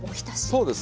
そうです。